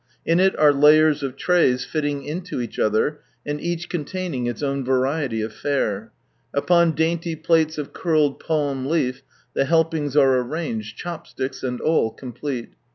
In it are layers of trays fitting into each other, and each con taining its own variety of fare. Upon dainty plates of curled palm leaf, the helpings are arranged, chopsticks and all complete.